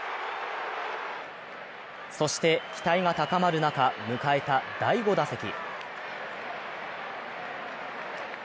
そして期待が高まる中、迎えた第５打席。